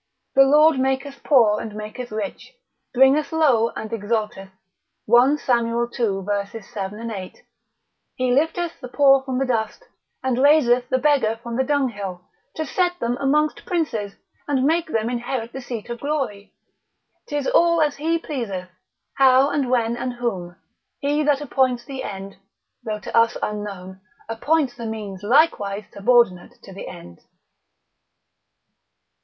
The Lord maketh poor and maketh rich, bringeth low, and exalteth (1 Sam. ii. ver. 7. 8), he lifteth the poor from the dust, and raiseth the beggar from the dunghill, to set them amongst princes, and make them inherit the seat of glory; 'tis all as he pleaseth, how, and when, and whom; he that appoints the end (though to us unknown) appoints the means likewise subordinate to the end.